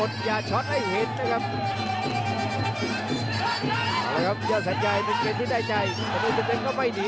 กระโดยสิ้งเล็กนี่ออกกันขาสันเหมือนกันครับ